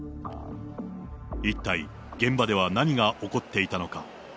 一体、現場では何が起こっていたのか。